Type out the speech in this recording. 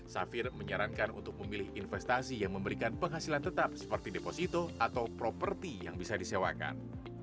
safir menyarankan untuk memilih investasi yang memberikan penghasilan tetap seperti deposito atau properti yang bisa disewakan